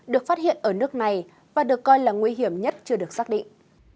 được phát hiện ở nước này và được coi là nguy hiểm nhất chưa được xác định